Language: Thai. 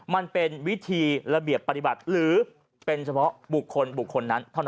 มันเป็นวิธีระเบียบปฏิบัติหรือเป็นเฉพาะบุคคลบุคคลนั้นเท่านั้น